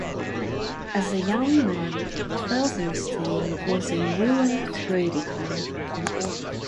As a young man, Felsenstein was a New Left radical.